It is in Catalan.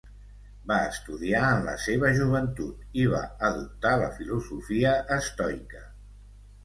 Va estudiar en la seva joventut i va adoptar la filosofia estoica.